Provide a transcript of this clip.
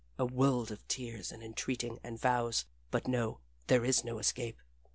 a world of tears and entreating and vows; but no, there is no escape.